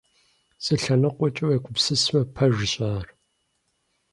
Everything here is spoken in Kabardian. Зы лъэныкъуэкӀи, уегупсысмэ, пэжщ ар.